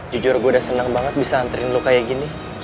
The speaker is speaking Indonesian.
jujur gue udah seneng banget bisa anterin lo kaya gini